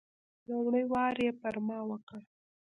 لومړی وار یې پر ما وکړ.